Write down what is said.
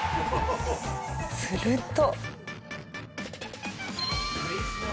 すると。